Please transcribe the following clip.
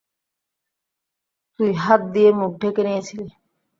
তুই হাত দিয়ে মুখ ঢেকে নিয়েছিলি।